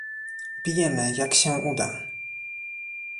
"Bijemy, jak się uda."